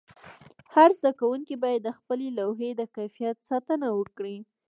هر زده کوونکی باید د خپلې لوحې د کیفیت ساتنه وکړي.